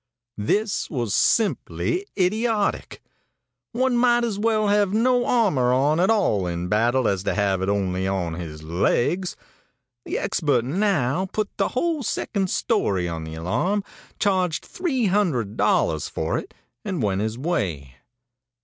This was simply idiotic; one might as well have no armor on at all in battle as to have it only on his legs. The expert now put the whole second story on the alarm, charged three hundred dollars for it, and went his way.